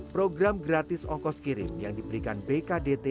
program gratis ongkos kirim yang diberikan bkdt